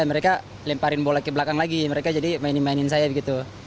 mereka lemparin bola ke belakang lagi mereka jadi mainin mainin saya gitu